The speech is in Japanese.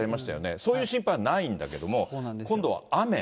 そういう心配はないんだけども、今度は雨。